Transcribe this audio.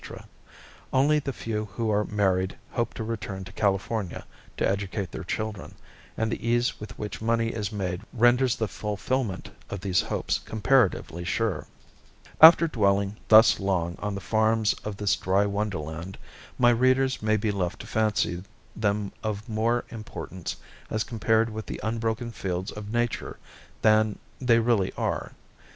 Only the few who are married hope to return to California to educate their children, and the ease with which money is made renders the fulfillment of these hopes comparatively sure. After dwelling thus long on the farms of this dry wonderland, my readers may be led to fancy them of more importance as compared with the unbroken fields of Nature than they really are.